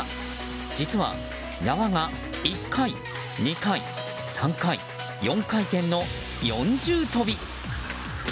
実は、縄が１回、２回、３回、４回転の４重跳び！